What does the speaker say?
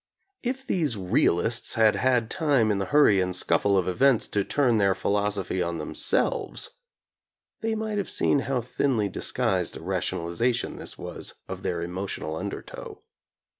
If these realists had had time in the hurry and scuffle of events to turn their philosophy on themselves, they might have seen how thinly disguised a rationalization this was of their emotional undertow.